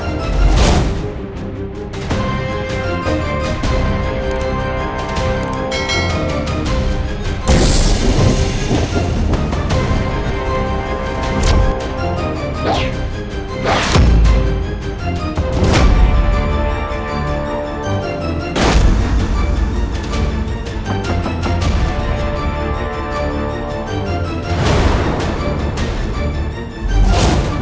kau akan merasakan bagaimana rasanya terpenjara